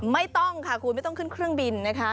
ไม่ต้องค่ะคุณไม่ต้องขึ้นเครื่องบินนะคะ